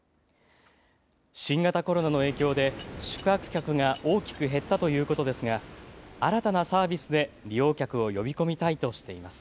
新型コロナの影響で宿泊客が大きく減ったということですが新たなサービスで利用客を呼び込みたいとしています。